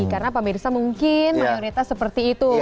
karena pak mirsa mungkin mayoritas seperti itu